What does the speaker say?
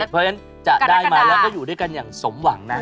เพราะฉะนั้นจะได้มาแล้วก็อยู่ด้วยกันอย่างสมหวังนะ